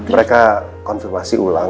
mereka konfirmasi ulang